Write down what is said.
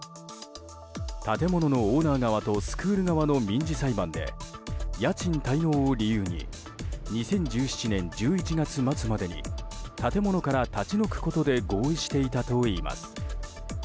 建物のオーナー側とスクール側の民事裁判で家賃滞納を理由に２０１７年１１月末までに建物から立ち退くことで合意していたといいます。